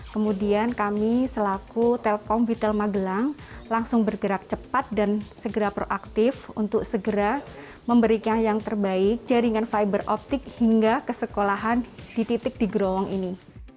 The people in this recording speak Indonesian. kemudian kami selaku telkom vital magelang langsung bergerak cepat dan segera proaktif untuk segera memberikan yang terbaik jaringan fiber optik hingga kesekolahan di titik di gerowong ini